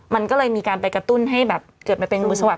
มันก็เลยมีการไปกระตุ้นให้เกิดมาเป็นงูสวัสดิ์